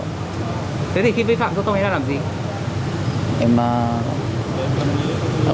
thế thì khi vi phạm giao thông anh ta làm gì